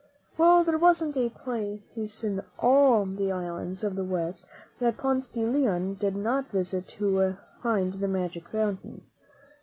■■■•■'1: ^^^ Well, there wasn't a place in all the islands of the West that Ponce de Leon did not visit to find the magic fountain.